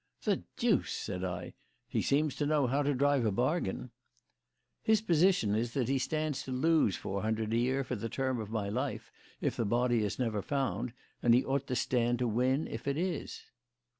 "The deuce!" said I. "He seems to know how to drive a bargain." "His position is that he stands to lose four hundred a year for the term of my life if the body is never found, and he ought to stand to win if it is."